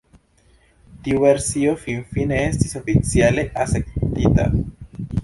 Tiu versio finfine estis oficiale akceptita.